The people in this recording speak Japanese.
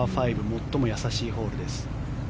最も易しいホールです。